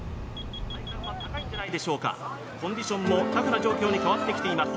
コンディションもタフな状況に変わってきています